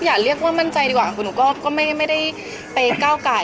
อย่าเรียกว่ามั่นใจดีกว่าคือหนูก็ไม่ได้ไปก้าวไก่